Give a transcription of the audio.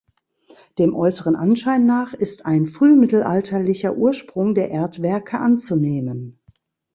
Dem äußeren Anschein nach ist ein frühmittelalterlicher Ursprung der Erdwerke anzunehmen.